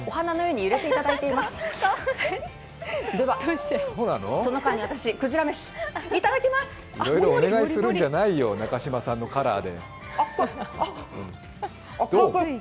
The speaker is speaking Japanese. いろいろお願いするんじゃないよ、中島さんのカラーで。